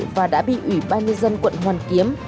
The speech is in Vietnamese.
và đã bị ủy ban nhân dân quận hoàn kiếm